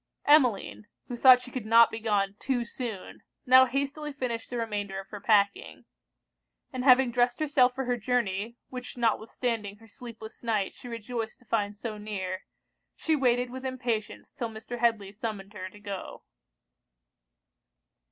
Emmeline, who thought she could not be gone too soon, now hastily finished the remainder of her packing; and having dressed herself for her journey, which notwithstanding her sleepless night she rejoiced to find so near, she waited with impatience 'till Mr. Headly summoned her to go.